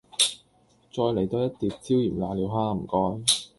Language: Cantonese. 再黎多一碟椒鹽瀨尿蝦吖唔該